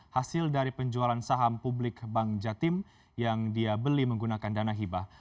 hasil dari penjualan saham publik bank jatim yang dia beli menggunakan dana hibah